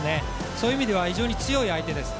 そういう意味では非常に強い国です。